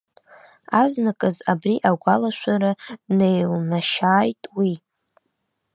Азныказ абри агәалашәара днеилнашьааит уи.